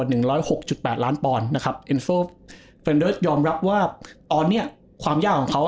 หนึ่งร้อยหกจุดแปดล้านปอนด์นะครับเอ็นโซเฟรนเดิร์สยอมรับว่าตอนเนี้ยความยากของเขา